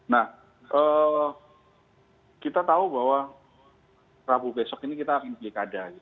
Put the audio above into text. nah kita tahu bahwa rabu besok ini kita ingin ke likada